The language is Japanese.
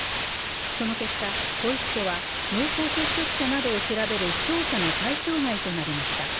その結果、保育所は濃厚接触者などを調べる調査の対象外となりました。